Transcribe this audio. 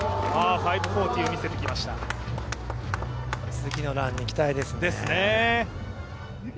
次のランに期待ですね。